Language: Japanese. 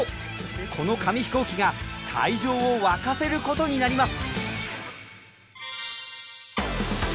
この紙飛行機が会場を沸かせることになります。